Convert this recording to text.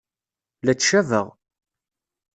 La ttcabeɣ!